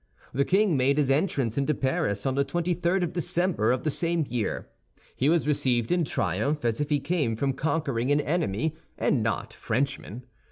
The king made his entrance into Paris on the twenty third of December of the same year. He was received in triumph, as if he came from conquering an enemy and not Frenchmen.